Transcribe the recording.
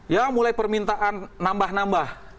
ya mulai permintaan nambah nambah